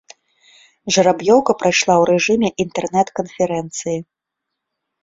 Жараб'ёўка прайшла ў рэжыме інтэрнэт-канферэнцыі.